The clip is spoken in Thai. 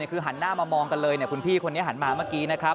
คือหันหน้ามามองกันเลยคุณพี่คนนี้หันมาเมื่อกี้นะครับ